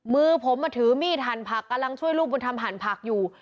มือผมมาถือมีดหั่นผักกำลังช่วยลูกบุญธรรมหั่นผักอยู่